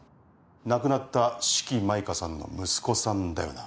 亡くなった四鬼舞歌さんの息子さんだよな？